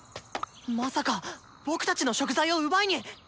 まさか僕たちの食材を奪いに。